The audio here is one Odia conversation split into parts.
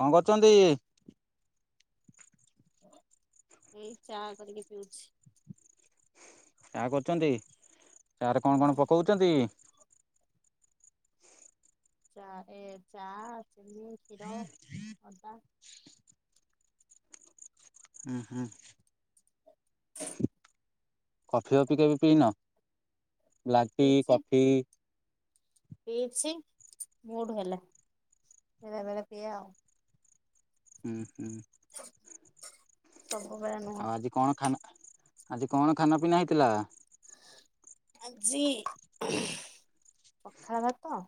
କଣ କରୁଚନ୍ତି? ଏଇ ଚା କରିକି ପିଉଛି। ଚା କରୁଛନ୍ତି ଚାରେ କଣ ମୁଁ କଣ ପକାଉଛନ୍ତି? ଚା ରେ ଏ ଚା ଚିନି, କ୍ଷୀର, ଅଦା। ହୁଁ ହୁଁ। [unintelligible] କଫି କଫି କେବେ ପିଇନ ଲାଟି ପିଇଛି କଫି? ପିଇଛି ମୁଡୁହେଲେ ହେଲା ବଳେ ବେଳେ ପିଇଆ ଆଉ। ହୁଁ ହୁଁ। ସବୁବେଳେ ଆଉ ନୁହଁ। ଆଜି କଣ ଖାନା ଆଜି କଣ ଖାନା ପିନା ହେଇଥିଲା? ଆଜି ପଖାଳ ଭାତ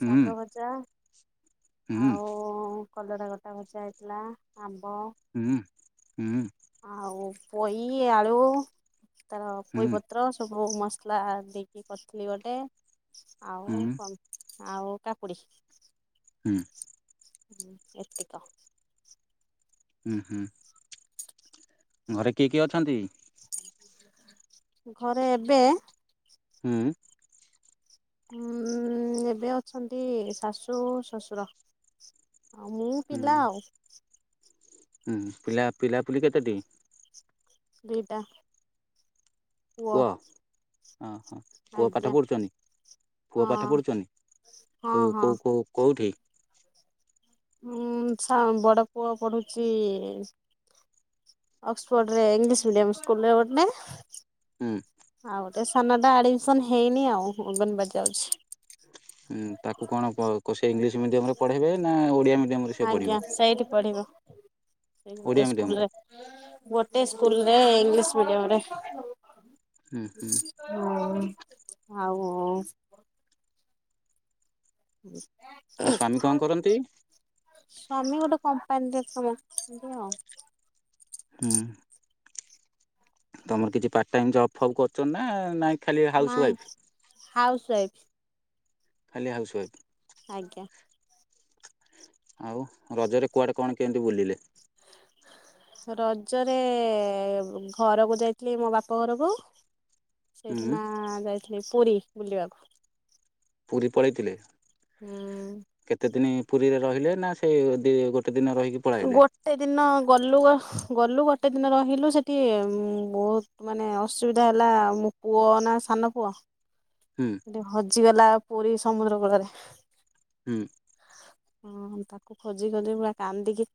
ହୁଁ ଭଜା ହୁଁ ଆଉ କଲଡ଼ା ଗୋଟା ଭଜା ହେଇଥିଲା, ଆମ୍ବ ହୁଁ ହୁଁ। ଆଉ ପୋଇ, ଆଳୁ ତାର ହୁଁ ପୋଇପତ୍ର, ସବୁ ସବୁ ମ ଥିଲା ଦେଇକି କରିଥିଲି ଗୋଟେ ଆଉ ହୁଁ କ ଆଉ କାକୁଡି। ହୁଁ। ଏତିକ। ହୁଁ ହୁଁ। ଘରେ କିଏ କିଏ ଅଛନ୍ତି? ଘରେ ଏବେ ହୁଁ। ଉଁ ଏବେ ଅଛନ୍ତି ଶାଶୁ ଶ୍ୱଶୁର ଆଉ ମୁଁ ହୁଁ ପିଲା ଆଉ। ହୁଁ, ପିଲା ପିଲାପୁଲି କେତେ ଟି? ଦିଟା ପୁଅ। ଓ ହୋ ପୁଅ ପାଠ ଆଜ୍ଞା ପଢ଼ୁଛନ୍ତି ପୁଅ ପାଠ ହଁ ପଢ଼ୁଛନ୍ତି? ହଁ କୋ ହଁ। କୋ କୋଉଠି? ଉଁ ଛା ବଡ ପୁଅ ପଢୁଛି ଅକ୍ସଫର୍ଡ ରେ ଇଂଲିଶ ମିଡ଼ିୟମ ସ୍କୁଲରେ ଗୋଟେ ହୁଁ। ଆଉ ସାନା ଟା ଆଡମିସନ ହେଇନି ଆଉ ଅଗନବାଡି ଜାଉଛି। ଉ ତାକୁ କଣ କ ସେ ଇଂଲିଶ ମିଡିୟମ ରେ ପଢେଇବେ ନା ଓଡିଆ ମିଡିୟମ ରେ ସେ ପଢିବ? ଏଇଠି ପଢିବ ଏଇେ ମିଡ଼ିୟମରେ ସ୍କୁଲରେ। ଗୋଟେ ସ୍କୁଲରେ ଇଂଲିଶି ମିଡିୟମରେ। ହୁଁ ହୁଁ ହୁଁ ଆଉ ଆଉ ହ ସ୍ଵାମୀ କଣ କରନ୍ତି? [unintelligible] ସ୍ଵାମୀ ଗୋଟେ କମ୍ପାନୀରେ ତମ ଆଉ ହୁଁ। ତମେ କିଛି ପାର୍ଟ ଟାଇମ ଜବ ଫବ୍ କରୁଛ ନା ନାଇଁ? ଖାଲି ହାଉସ ୱାଇଫ୍? ନାଇଁ ହାଉସ୍ ୱାଇଫ। ଖାଲି ହାଉସୱାଇଫ। ଆଜ୍ଞା। ଆଉ ରଜରେ କୁଆଡ଼େ କଣ କେମିତି ବୁଲିଲେ? ରଜରେ ଘରକୁ ଯାଇଥିଲି ମୋ ବାପ ଘରକୁ ସେଇଠୁ ହୁଁ ନା ଯାଇଥିଲି ପୁରୀ ବୁଲିବାକୁ। ପୁରୀ ପଳେଇଥିଲେ? ହୁଁ। କେତେ ଦିନ ପୁରୀରେ ରହିଲେ ନା ସେଇ ଦି ଗୋଟେ ଦିନ ରହିକି ପଳାଇଲେ? ଗୋଟେ ଦିନ ଗଲୁ ଗଲୁ ଗୋଟେ ଦିନ ରହିଲୁ ସେଠି ବହୁତ ମାନେ ଅସୁବିଧା ହେଲା ମୋ ପୁଅ ନା ସାନ ପୁଅ ହୁଁ। ସେଠି ହଜିଗଲା ପୁରୀ ସମୁଦ୍ର କୂଳରେ। ହୁଁ। ହଁ ତାକୁ ଖୋଜି-ଖୋଜି ପୁରା କାନ୍ଦିକି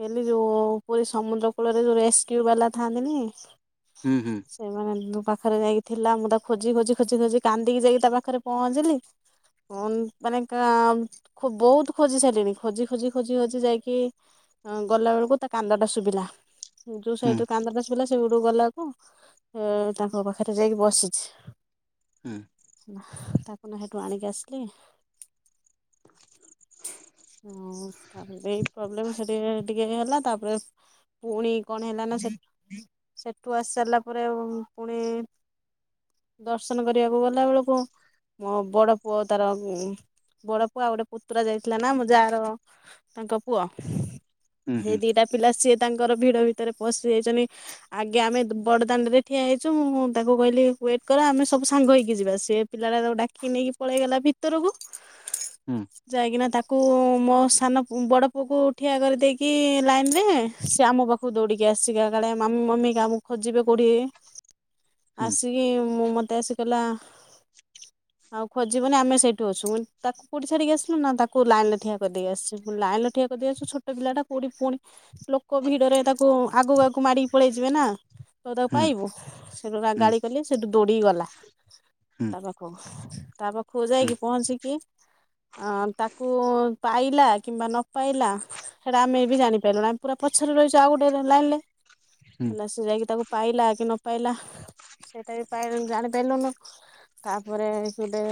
ହେଲି ଯୋଉ ପୁରୀ ସମୁଦ୍ର କୂଳରେ ଯୋଉ ରେସ୍କ୍ୟୁ ବାଲା ଥାନ୍ତିନି ହୁଁ-ହୁଁ। ସେମାନେ ଙ୍କ ପାଖରେ ଯାଇକି ଥିଲା ମୁଁ ତାକୁ ଖୋଜି-ଖୋଜି ଖୋଜି-ଖୋଜି କାନ୍ଦିକି ଯାଇକି ତା ପାଖରେ ପହଞ୍ଚିଲି। [unintelligible] ମାନେ କା ବହୁତ୍ ଖୋଜି ସାରିଲିଣି ଖୋଜି-ଖୋଜି-ଖୋଜି-ଖୋଜି ଯାଇକି ଗଲା ବେଳକୁ ତା କାନ୍ଦଟା ଶୁଭିଲା, ଯୋଉ ହୁଁ ସାଇଟ୍ ରୁ କାନ୍ଦଟା ଶୁଭିଲା ସେଉଠୁ ଗଲାକୁ ଏ ତାଙ୍କ ପାଖରେ ଯାଇକି ବସିଛି। ହୁଁ। ତାକୁ ନା ସେଠୁ ଆଣିକି ଆସିଲି। ତାପରେ ଏଇ ପ୍ରୋବ୍ଲେମ୍ ସେଠି ଟିକେ ହେଲା ତାପରେ ପୁଣି କଣ ହେଲା ନା ସେ ଠୁ ଆସି ସାରିଲା ପରେ ପୁଣି ଦର୍ଶନ କରିବାକୁ ଗଲା ବେଳକୁ ମୋ ବଡ ପୁଅ ତାର ବଡ ପୁଅ ଆଉ ଗୋଟେ ପୁତୁରା ଯାଇଥିଲା ନା ମୋ ଜାର ତାଙ୍କ ପୁଅ ହୁଁ ସେ ହୁଁ ଦିଟା ପିଲା ସିଏ ତାଙ୍କର ଭିଡ ଭିତରେ ପଶି ଯାଇଛନ୍ତି। ଆଗେ ଆମେ ବଡଦାଣ୍ଡ ରେ ଠିଆ ହେଇଛୁ ମୁଁ ତାଙ୍କୁ କହିଲି ୱେଟ୍ କର ଆମେ ସବୁ ସାଙ୍ଗ ହେଇକି ଯିବା ସେ ପିଲା ଟା ତାକୁ ଡାକି ନେଇକି ପଳେଇଗଲା ଭିତୁରକୁ ହୁଁ। ଯାଇକି ନା ତା କୁ ମୋ ସାନ ବଡ଼ ପୁଅକୁ ଠିଆ କରିଦେଇକି ଲାଇନ୍ ରେ ସେ ଆମ ପା ଖୁକୁ ଦୌଡ଼ିକି ଆସିଚି, କାଳେ ମାମି ମମି କା ଖୋଜିବେ କଉଠି ହୁଁ ଆସି କି ମୁଁ ମତେ ଆସି କହିଲା ଆଉ ଖୋଜିବନି ଆମେ ସେଇଠୁ ଅଛୁ, ମୁଁ କହିଲି ତାକୁ କୋଉଠି ଛାଡିକି ଆସିଲୁ ନା ତାକୁ କଉ ଲାଇନ୍ ଠିଆ କରିଦେଇ ଆସିଚି, ମୁଁ କହିଲି ଲାଇନ୍ ରେ ଠିଆ କରିଦେଇ ଆସିଛୁ ଛୋଟ ପିଲା କଉଠି ପୁଣି ଲୋକ ଭିଡରେ ତାକୁ ଆଗକୁ-ଆଗକୁ ମାଡିକି ପଳେଇ ଯିବେ ନା ତ ହୁଁ ତାକୁ ହୁଁ ପାଇବୁ। ସେଠୁ ଗାଳି କଲି ସେଠୁ ଦୌଡ଼ିକି ଗଲା। ହୁଁ। [unintelligible] ତା ପାଖକୁ ହୁଁ ଯାଇକି ପହଞ୍ଚିକି ଅଁ ତା କୁ ପାଇଲା କିମ୍ବା ନ ପାଇଲା ସେଇଟା ଆମେ ବି ଜାଣିପାରିଲୁନି ଆମେ ପୁରା ପଛରେ ରହିଛୁ ଆଉ ଗୋଟେ ଲାଇନ୍ ରେ, ହୁଁ ହେଲା ସେ ଯାଇକି ତାକୁ ପାଇଲା କି ନ ପାଇଲ ସେଇଟା ବି ପାଇ ଜାଣିପାଇଲୁନୁ, ତାପରେ ଗୋଟେ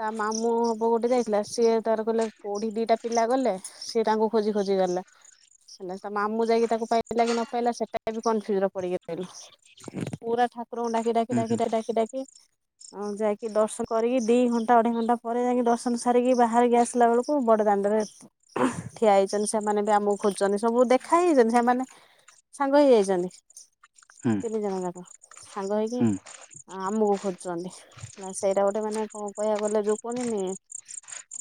ତା ମାମୁଁ ହବ ଗୋଟେ ଯାଇ ଥିଲା ସିଏ ତାର କହିଲେ କୋଉଠି ଦିଟା ପିଲା ଗଲେ, ସିଏ ତାଙ୍କୁ ଖୋଜି-ଖୋଜି ଗଲା। ତା ମାମୁଁ ଯାଇକି ତାକୁ ପାଇଲା କି ନ ପାଇଲା ସେଟା ବି କନଫ୍ୟୁଜ୍ ରେ ପଡିକି ରହିଲୁ। ପୁରା ଠାକୁରଙ୍କୁ ହୁଁ ଡାକି-ଡାକି-ଡାକି-ଡାକି-ଡାକି-ଡାକି ଆଉ ଯାଇକି ଦର୍ଶନ କରିକି ଦି ଘଣ୍ଟା ଅଢେଇ ଘଣ୍ଟା ପରେ ଯାଇଁକି ଦର୍ଶ ନ୍ ସାରିକି ବାହାରିକି ଆସିଲା ବେଳକୁ ବଡ଼ ଦାଣ୍ଡରେ ଠିଆ ହେଇଛନ୍ତି, ସେମାନେ ବି ଆମକୁ ଖୋଜୁଛନ୍ତି ସବୁ ଦେଖା ହେଇଛନ୍ତି ସେମାନେ ସାଙ୍ଗ ହେଇ ଯାଇଚନ୍ତି ହୁଁ ତିନି ଜଣ ଯାକ, ସାଙ୍ଗ ହେଇକି ହୁଁ ଆ ଆମକୁ ଖୋଜୁଚନ୍ତି, ନା ସେଇଟା ଗୋଟେ ମାନେ କଣ କହିବାକୁ ଗଲେ ଯୋଉ କୁହନ୍ତିନି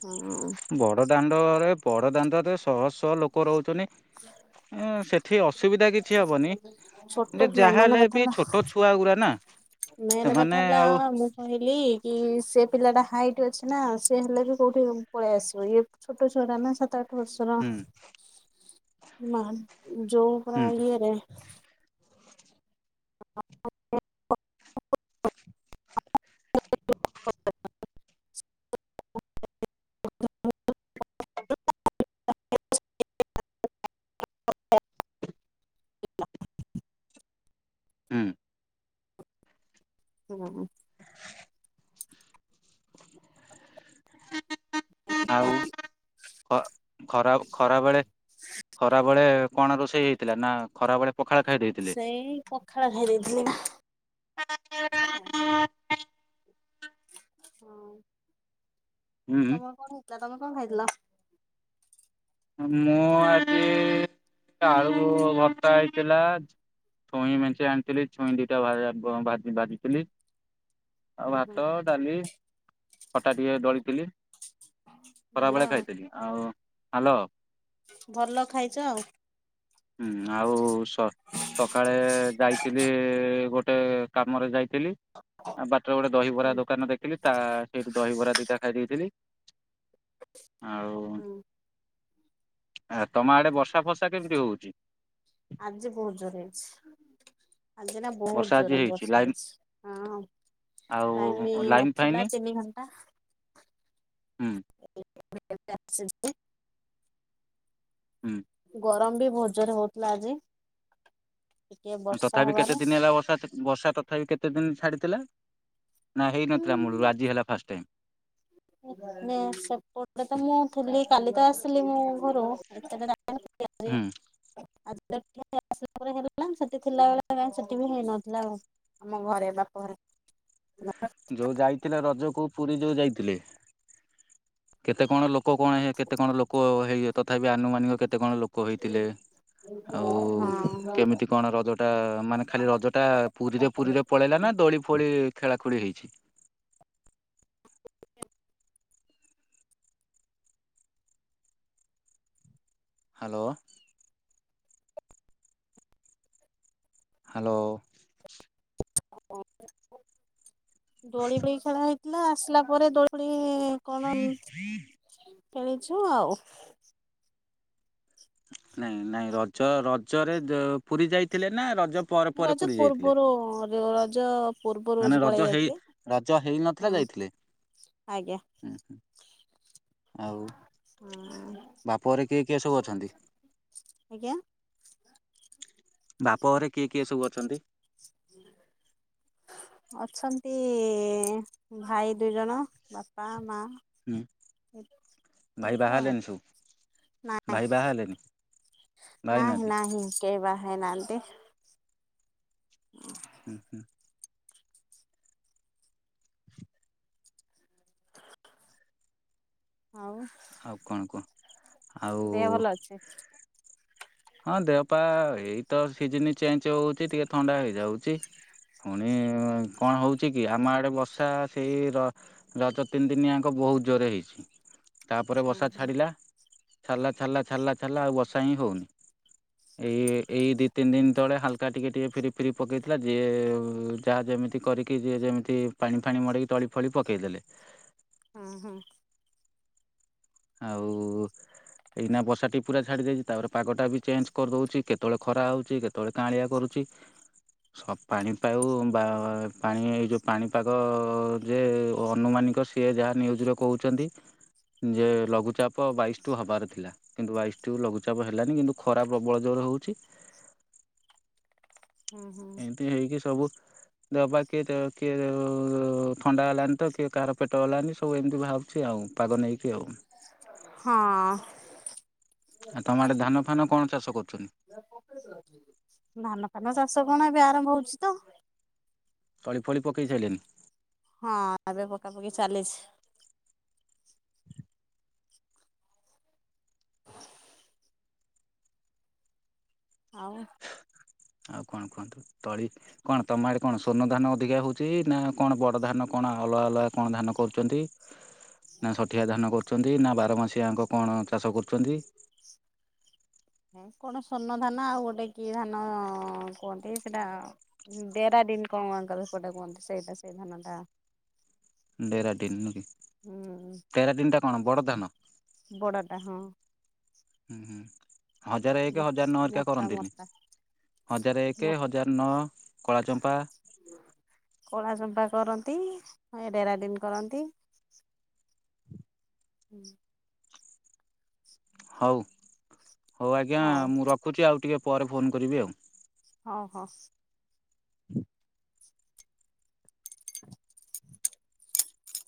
ହୁଁ। ବଡ଼ ଦାଣ୍ଡରେ ବଡ଼ ଦାଣ୍ଡରେ ଶହ-ଶହ ଲୋକ ରହୁଚନି। କିଛି ହବନି [inaudible] ଛୋଟ ଯେ [unintelligible] ଯାହା ହେଲେ କଥା ବି ହେଲା। ଛୋଟ ଛୁଆ ଗୁରା ନା ମେନେ ସେମାନେ କଥା ହେଲା ଆଉ ମୁଁ କହିଲି କି ସେ ପିଲାଟା ହାଇଟ୍ ଅଛି ନା, ସେ ହେଲେ ବି କୋଉଠି ପଳେଇ ଆସିବ ଇଏ ଛୋଟ ଛୁଆଟା ନା ସାତ ଆଠ ବର୍ଷର। ହୁଁ ମାମ ଯଉ ପରା ହୁଁ ଇଏରେ [inaudible] [inaudible] ହୁଁ। ଉମ ଆଉ [inaudible] ଖ ଖରା ଖରାବେଳେ ଖରାବେଳେ କଣ ରୋଷେଇ ହେଇଥିଲା? ନା ଖରାବେଳେ ସେଇ ପଖାଳ ଭୋରୁଧି ପଖାଳ ହୁଁ ହଁ ଆଉ ତମର କଣ ହେଇଥିଲା ତମେ କଁ ଖାଇଥିଲ? ମୁଁ ଆଜି ଆଳୁ ଭ ଭର୍ତା ହେଇଥିଲା ଛୁଇଁ ମେଞ୍ଚେ ଆଣିଥିଲି ଛୁଇଁ ଦିଇଟା ଭା ଏ ବ ବାଜି ବାଜିଥିଲି। ଆଉ ହୁଁ ହୁଁ ଭାତ, ଡାଲି, ଖଟା ଟିକେ ଡଳିଥିଲି। ଭଲ ଖରାବେଳେ ଆଉ ଖାଇଥିଲି। ଆଉ ହ୍ୟାଲୋ ଭଲ ଖାଇଚ ଆଉ। ହୁଁ ଆଉ ସ ସଖାଳେ ଯାଇଥିଲି ଗୋଟେ କାମରେ ଯାଇଥିଲି ଆ ବାଟରେ ଗୋଟେ ଦହିିବରା ହୁଁ ଦୋକାନ ଦେଖିଲି ତା ସେଇଠି ଦହିବରା ଦିଇଟା ଖାଇ ଦେଇଥିଲି। ଆଉ ହୁଁ। ଆ ତମ ଆଡେ ବର୍ଷା ଫର୍ଷା କେମିତି ହଉଚି? ଆଜି ବହୁତ ଜୋରରେ ହେଇଛି। ଆଜି ନା ବର୍ଷା ବହୁତ ଆଜି ଜୋରରେ ବର୍ଷା ଲାଇନ ହେଇଛି। ହଁ ଆଉ ଲାଇନ ନଥିଲା ତିନି ଘଣ୍ଟା। ହୁଁ। [inaudible] ହୁଁ। ଗରମ ବି ବହୁତ ଜୋରରେ ହଉଥିଲା ଆଜି। ଟିକେ ବର୍ଷା ତଥାପି ହବାରୁ କେତେ ଦିନ ହେଲା ବର୍ଷା ତ୍ ବର୍ଷା ତଥାପି କେତେ ଦିନ ଛାଡ଼ିଥିଲା? ନା ହେଇନଥିଲା ମୁଳରୁ ଆଜି ହେଲା ଫାଷ୍ଟ ଟାଇମ। ମୁଁ ସେପଟେ ତ ମୁଁ ଥିଲି କାଲି ତ ଆସିଲି ମୁଁ ଘରୁ। ଏତେବଡ଼ ହୁଁ [inaudible] [inaudible] ଆସିଲା ପରେ [inaudible] ସେଠି ଥିଲା ବେଳେ କାଇଁ ସେଠି ବି ହେଇନଥିଲା ଆଉ। ଆମ ଘରେ ବାପଘରେ। [inaudible] ଯୋଉ ଯାଇଥିଲେ ରଜକୁ ପୁରୀ ଯୋଉ ଯାଇଥିଲେ କେତେ କଣ ଲୋକ କଣ ଇଏ କେତେ କଣ ଲୋକ ହେଇଏ ତଥାପି ଆନୁମାନିକ କେତେ କଣ ଲୋ କୋ ହେଇଥିଲେ ଆଉ ହଁ। କେମିତି କଣ ରଜ ତା ମାନେ ଖାଲି ରଜ ଟା ପୁରୀରେ ପୁରୀରେ ପଳେଇଲା ନା ଦୋଳି ଫୋଳି ଖେଳା ଖୁଳି ହେଇଛି? ହ୍ୟାଲୋ? ହ୍ୟାଲୋ। ଦୋଳି ଫଳି ଖେଳା ହେଇଥିଲା ଆସିଲା ପରେ ଦୋଳି କଣନ କିଣିଚୁ ଆଉ। ନାଇଁ ନାଇଁ ରଜ ରଜରେ ପୁରୀ ଯାଇଥିଲେ ନା ରଜ ପରେ ପରେ ରଜ ପୁରୀ ଯାଇଥିଲେ? ପୂର୍ବରୁ ର ରଜ ପୂର୍ବରୁ ମାନେ ରଜ ପଳେଇ ହେଇ ଯାଇଥିଲି। ରଜ ହେଇ ନଥିଲା ହୁଁ ଯାଇଥିଲେ? ଆଜ୍ଞା ହୁଁ ହୁଁ ଆଉ ହଁ ବାପଘରେ କିଏ କିଏ ସବୁ ଅଛନ୍ତି? ଆଜ୍ଞା? ବାପ ଘରେ କିଏ କିଏ ସବୁ ଅଛନ୍ତି? ହୁଁ ଅଛନ୍ତି ଭାଇ ଦୁଇ ଜଣ ବାପା ମା। ହୁଁ ଭାଇ ହେଇତ ବାହା ଆଉ ହେଲେନି ସବୁ ନା ଭାଇ ବାହା ହେଲେନି? ବାହା ନାହିଁ ହେଇନାହାନ୍ତି? ନାହିଁ କେହି ବାହା ହେଇ ନାହାଁନ୍ତି। ହୁଁ ହୁଁ ହୁଁ ଆଉ ଆଉ କଣ କୁହ ଆଉ ଦେହ ଭଲ ଅଛି? ହଁ ଦେହପା ଏଇ ତ ସିଜିନି ଚେଞ୍ଜ ହଉଛି, ଟିକେ ଥଣ୍ଡା ହେଇଯାଉଛି। ପୁଣି କଣ ହେଉଛି କି ଆମ ଆଡ଼େ ବର୍ଷା ସେଇ ର ରଜ ତିନିଦିନି ଆଙ୍କ ବହୁତ ଜୋରେ ହେଇଛି। ତାପରେ ହୁଁ ବର୍ଷା ହୁଁ ଛାଡ଼ିଲା ଛାଡ଼ିଲା ଛାଡ଼ିଲା ଛାଡିଲା ଛାଡ଼ିଲା ଆଉ ବର୍ଷା ହିଁ ହେଉନି। ଏଇ ଏଇ ଦି ତିନି ଦିନ ସେତେବେଳେ ହାଲକା ଟିକିଏ ଟିକିଏ ଫିରି ଫିରି ପକାଇଥିଲା ଯିଏ ଯାହା ଯେମିତି କରିକି ଯିଏ ଯେମିତି ପାଣି ଫାଣି ମଡେଇକି ତଳି ଫଳି ପକେଇଦେଲେ। ଉହୁଁ। ଆଉ ଏଇନା ବର୍ଷାଟି ପୁରା ଛାଡି ଯାଇଛି ତାପରେ ପାଗଟ ବି ଚେଞ୍ଜ କରିଦଉଛି କେତେବେଳେ ଖରା ହଉଛି କେତେବେଳେ କାଆଁଳିଆ କରୁଛି। ପାଣି ପାଉ ବା ପାଣି ଏଇ ଯେଉଁ ପାଣିପାଗ ଯେ ଅନୁମାନିକ ସେ ଯିଏ ଯାହା ନ୍ୟୁଜରେ କହୁଛନ୍ତି ଯେ ଲଘୁଚାପ ବାଇଶିଠୁ ହେବାର ଥିଲା କିନ୍ତୁ ବାଇଶଠୁ ଲଘୁଚାପ ହେଲାନି କିନ୍ତୁ ଖରା ପ୍ରବଳ ଜୋରେ ହେଉଛି। ହୁଁ ହୁଁ ଇଁତି ହେଇକି ସବୁ ଦେବା କିଏ କିଏ ଥଣ୍ଡା ହେଲାଣି ତ କିଏ କାହାର ପେଟ ହେଲାଣି ସବୁ ଏମିତି ବାହାରୁ ଚି ଆଉ ପାଗ ନେଇକି ଆଉ। ହଁ। ଆଉ ତମ ଆଡେ ଧାନ ଫାନ କଣ ଚାଷ କରୁଛନ୍ତି? ଧାନ ଫାନ ଚାଷ କଣ ଏବେ ଆରମ୍ଭ ହଉଛି ତ ଆଉ। ତଳିଫଳି ପକେଇ ସାଇଲେଣିି। ହଁ ଏବେ ପକାପକି ଚାଲିଛି। ଆଉ ଆଉ କଣ କୁହନ୍ତୁ ତଳି କଣ ତମ ଆଡ଼େ କଣ ସ୍ୱର୍ଣ୍ଣ ଧାନ ଅଧିକା ହଉଛି ନା କଣ ବଡ଼ ଧାନ କଣ ଅଲଗା ଅଲଗା କଣ ଧାନ କରୁଛନ୍ତି? ନା ସଠିଆ ଧାନ କରୁଛନ୍ତି ନା ବାରମାସିଆଙ୍କ କଣ ଚାଷ କରୁଛନ୍ତି। କଣ ସ୍ଵର୍ଣ୍ଣ ଧାନ ଆଉ ଗୋଟେ କି ଧାନ କୁହନ୍ତି ସେଇଟା। ଡେରା ଡିନ କଣ ଆଙ୍କର ଏପଟେ କୁହନ୍ତି ସେଇଟା ସେଇ ଧାନ ଟା। ଡେରାଡିନ ନୁହେଁ କି ହୁଁ ଡେରାଡିନ ଟା କଣ ବଡ ଧାନ? ବଡା ଟା ହଁ। ହୁଁ ହୁଁ ହଜାରେ ଏକ ହଜାର ନ ହେରିକା ମୋଟା କରନ୍ତିନି। ମୋଟା ହଜାର ଏକେ ହଜାର ନଅ କଳା ଚମ୍ପା। କଳା ଚମ୍ଫା କରନ୍ତି ଏ ଡେରାଡିନ୍ କରନ୍ତି। ହୁଁ। ହଉ ହଉ ଆଜ୍ଞା ମୁଁ ରଖୁଛି ଆଉ ଟିକେ ପରେ ଫୋନ୍ କରିବି ଆଉ। ହଉ ହଉ।